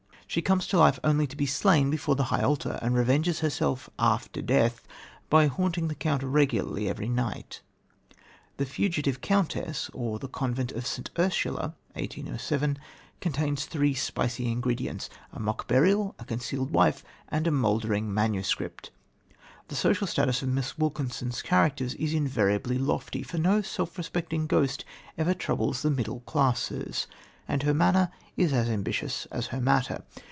She comes to life only to be slain before the high altar, and revenges herself after death by haunting the count regularly every night. The Fugitive Countess or Convent of St. Ursula (1807) contains three spicy ingredients a mock burial, a concealed wife and a mouldering manuscript. The social status of Miss Wilkinson's characters is invariably lofty, for no self respecting ghost ever troubles the middle classes; and her manner is as ambitious as her matter.